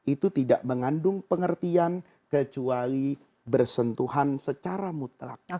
itu tidak mengandung pengertian kecuali bersentuhan secara mutlak